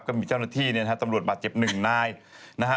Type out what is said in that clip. ก็มีเจ้าหน้าที่เนี่ยนะฮะตำรวจบาดเจ็บหนึ่งนายนะฮะ